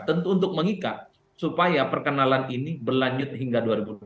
tentu untuk mengikat supaya perkenalan ini berlanjut hingga dua ribu dua puluh empat